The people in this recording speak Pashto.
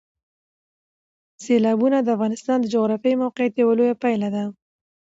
سیلابونه د افغانستان د جغرافیایي موقیعت یوه لویه پایله ده.